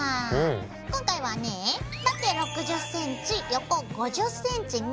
今回はね縦６０ｃｍ横５０ｃｍね。